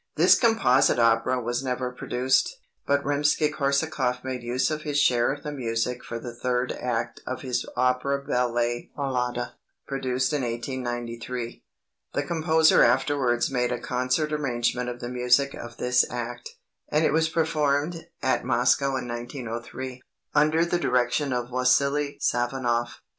This composite opera was never produced, but Rimsky Korsakoff made use of his share of the music for the third act of his opera ballet "Mlada" (produced in 1893). The composer afterwards made a concert arrangement of the music of this act, and it was performed at Moscow in 1903, under the direction of Wassily Safonoff.